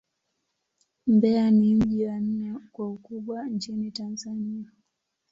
Mbeya ni mji wa nne kwa ukubwa nchini Tanzania.